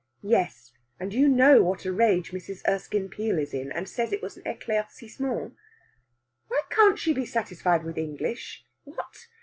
"Yes and you know what a rage Mrs. Erskine Peel is in, and says it was an éclaircissement." "Why can't she be satisfied with English?... What!